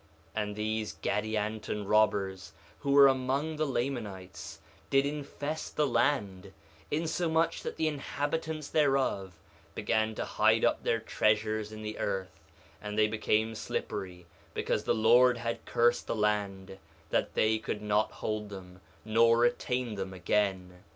1:18 And these Gadianton robbers, who were among the Lamanites, did infest the land, insomuch that the inhabitants thereof began to hide up their treasures in the earth; and they became slippery, because the Lord had cursed the land, that they could not hold them, nor retain them again.